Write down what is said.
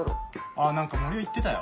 あ何か森生言ってたよ。